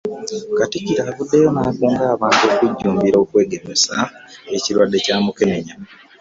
Katikkiro avuddeyo n'akunga abantu okujjumbira okwegemesa ekirwadde kya Mukenenya.